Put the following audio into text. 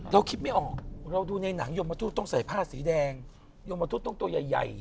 เราคิดไม่ออกเราดูในหนังยมทูตต้องใส่ผ้าสีแดงยมทูตต้องตัวใหญ่